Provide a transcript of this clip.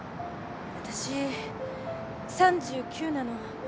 私３９なの。